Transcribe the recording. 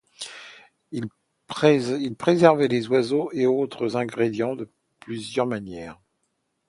Ils préservaient les oiseaux et autres ingrédients de plusieurs manières.